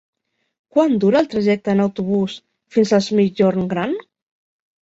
Quant dura el trajecte en autobús fins a Es Migjorn Gran?